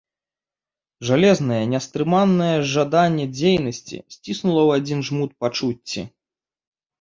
Жалезнае, нястрыманае жаданне дзейнасці сціснула ў адзін жмут пачуцці.